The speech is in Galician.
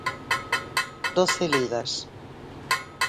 Doce ligas.